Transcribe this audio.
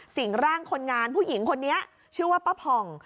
สิ่งร่างคนงานผู้หญิงคนนี้ชื่อว่าป้าผ่อง